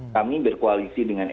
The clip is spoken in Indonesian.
kami berkoalisi dengan